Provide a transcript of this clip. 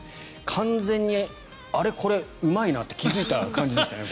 完全にあれ、これうまいなって気付いた感じですかね。